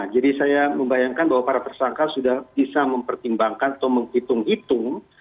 jadi saya membayangkan bahwa para tersangka sudah bisa mempertimbangkan atau menghitung hitung